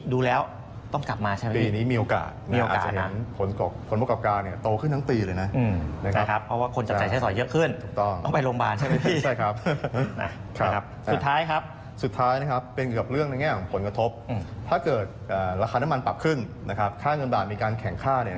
ยังไม่ค่อยเติบโตมากนะครับผลตอบแทนนะครับปีนี้